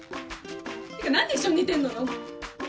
てか何で一緒に寝てんのよ。